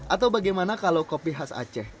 atau bagaimana kalau kopi khas aceh